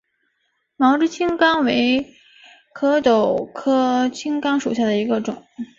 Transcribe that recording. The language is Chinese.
毛枝青冈为壳斗科青冈属下的一个种。